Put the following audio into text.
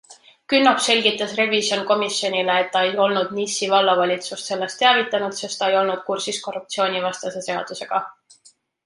Künnap selgitas revisjonikomisjonile, et ta ei olnud Nissi vallavalitsust sellest teavitanud, sest ta ei olnud kursis korruptsioonivastase seadusega.